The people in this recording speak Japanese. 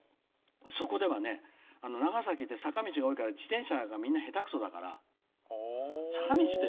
そこではね長崎って坂道が多いから自転車がみんな下手くそだから坂道で。